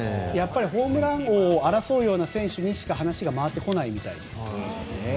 ホームラン王を争うような選手にしか話が回ってこないみたいです。